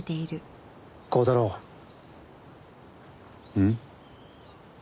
うん？